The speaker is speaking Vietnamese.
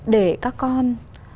để các con